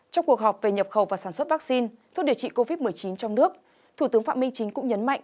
trong cuộc họp về nhập khẩu và sản xuất vaccine thuốc điều trị covid một mươi chín trong nước thủ tướng phạm minh chính cũng nhấn mạnh